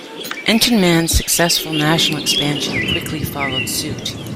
Entenmann's successful national expansion quickly followed suit.